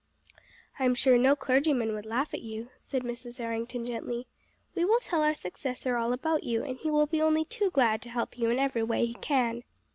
"I am sure no clergyman would laugh at you," said Mrs. Errington gently. "We will tell our successor all about you, and he will be only too glad to help you in every way he can."